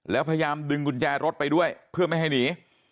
แล้วพยายามดึงกุญแจรถไปด้วยเพื่อไม่ให้หนี